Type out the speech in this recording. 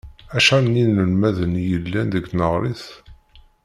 Acḥal n yinelmaden i yellan deg tneɣrit?